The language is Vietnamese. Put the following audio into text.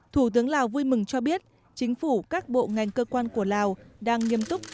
thủ tướng lào vui mừng cho biết chính phủ các bộ ngành cơ quan của lào đang nghiêm túc